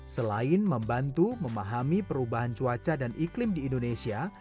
selain membantu memahami perubahan cuaca dan iklim di indonesia